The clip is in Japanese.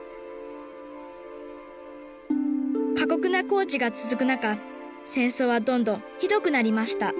過酷な工事が続く中戦争はどんどんひどくなりました。